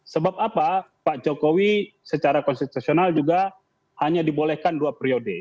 sebab apa pak jokowi secara konstitusional juga hanya dibolehkan dua periode